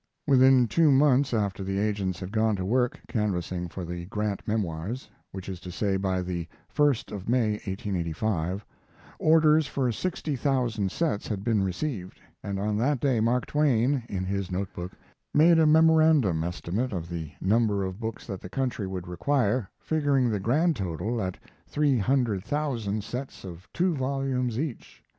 Within two months after the agents had gone to work canvassing for the Grant Memoirs which is to say by the 1st of May, 1885 orders for sixty thousand sets had been received, and on that day Mark Twain, in his note book, made a memorandum estimate of the number of books that the country would require, figuring the grand total at three hundred thousand sets of two volumes each.